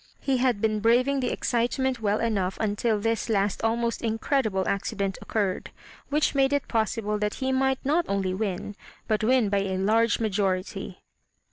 He had been braving the excitement well enough until this last almost incredible accident occurred, which made it possible that he might not only win, but win by a large majority.